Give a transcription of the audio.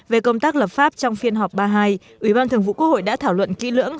về công tác lập pháp trong phiên họp ba mươi hai ủy ban thường vụ quốc hội đã thảo luận kỹ lưỡng